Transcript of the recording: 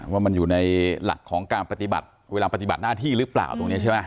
ว่ามันอยู่ในหลักของการปฏิบัติเวลาปฏิบัติหน้าที่หรือเปล่าตรงนี้ใช่ไหม